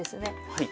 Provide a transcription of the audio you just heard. はい。